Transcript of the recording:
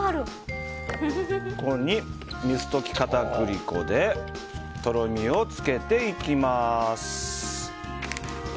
ここに、水溶き片栗粉でとろみをつけていきます。